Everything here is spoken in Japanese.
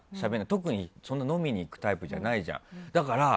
特にそんなに飲みに行くタイプじゃないじゃん。